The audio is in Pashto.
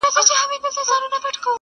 ورته مخ د بې بختۍ سي د خواریو.!